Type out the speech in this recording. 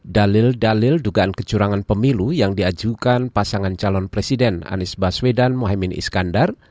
dalil dalil dugaan kecurangan pemilu yang diajukan pasangan calon presiden anies baswedan mohaimin iskandar